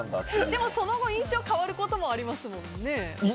でもその後、印象変わることもありますもんね。